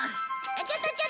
ちょっとちょっと！